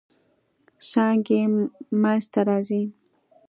څانګې منځ ته راځي.